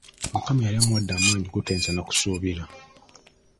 Mukama yali amuwadde amaanyi, gotayinza na kusuubira.